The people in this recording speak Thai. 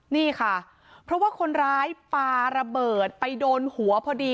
นี่ค่ะเพราะว่าคนร้ายปลาระเบิดไปโดนหัวพอดี